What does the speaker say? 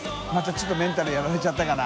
ちょっとメンタルやられちゃったかな？